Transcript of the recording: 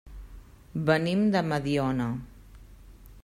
Venim de Mediona.